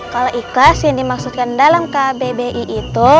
kalau ikhlas yang dimaksudkan dalam kbbi itu